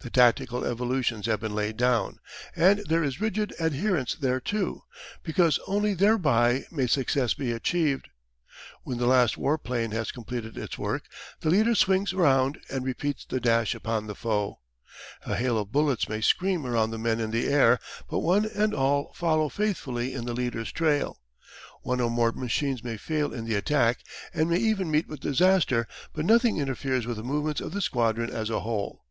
The tactical evolutions have been laid down, and there is rigid adherence thereto, because only thereby may success be achieved. When the last war plane has completed its work, the leader swings round and repeats the dash upon the foe. A hail of bullets may scream around the men in the air, but one and all follow faithfully in the leader's trail. One or more machines may fail in the attack, and may even meet with disaster, but nothing interferes with the movements of the squadron as a whole.